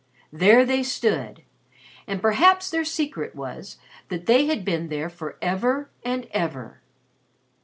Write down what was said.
There they stood, and perhaps their secret was that they had been there for ever and ever.